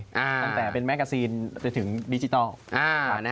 ตั้งแต่เป็นแมกกาซีนจนถึงดิจิทัล